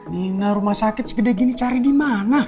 nina rumah sakit segede gini cari dimana